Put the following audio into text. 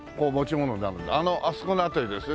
あそこの辺りですね